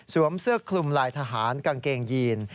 เสื้อคลุมลายทหารกางเกงยีน